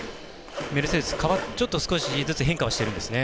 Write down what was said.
メルセデス、少しずつ変化はしてるんですね。